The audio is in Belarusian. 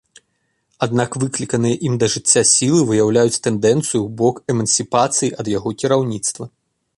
Аднак выкліканыя ім да жыцця сілы выяўляюць тэндэнцыю ў бок эмансіпацыі ад яго кіраўніцтва.